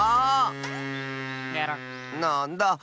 なんだあ。